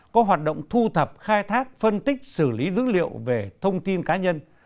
có hoạt động thu thập khai thác phân tích xử lý dữ liệu về thông tin cá nhân